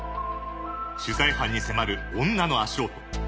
取材班に迫る女の足音。